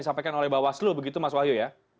disampaikan oleh mbak waslu begitu mas wahyu ya